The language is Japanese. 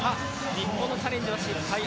日本のチャレンジは失敗です。